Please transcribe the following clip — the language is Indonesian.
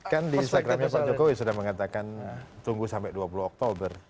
kan di instagramnya pak jokowi sudah mengatakan tunggu sampai dua puluh oktober